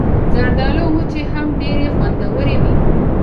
زردالو وچې هم ډېرې خوندورې وي.